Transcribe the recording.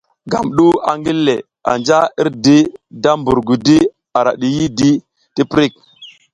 Gam du a ngille, anja irdi da mbur gudi ara diyidi ti pirik.